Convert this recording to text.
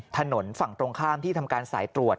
ถนนฝั่งตรงข้ามที่ทำการสายตรวจ